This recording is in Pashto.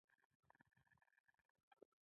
نظري او عملي روښانفکران موجود وو.